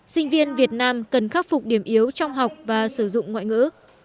sinh viên việt nam cần khắc phục điểm yếu trong học và sử dụng ngoại ngữ